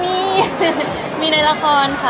ไม่มีมีในละครค่ะ